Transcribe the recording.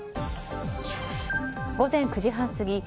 午前９時半過ぎ